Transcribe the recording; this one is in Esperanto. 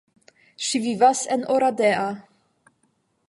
Ŝi vivas en Oradea.